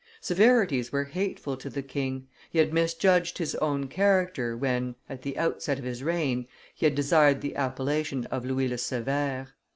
Severities were hateful to the king; he had misjudged his own character, when, at the outset of his reign, he had desired the appellation of Louis le Severe.